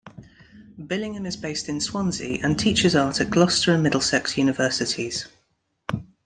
Billingham is based in Swansea and teaches art at Gloucester and Middlesex universities.